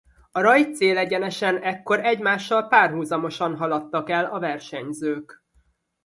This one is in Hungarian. A rajt-célegyenesen ekkor egymással párhuzamosan haladtak el a versenyzők.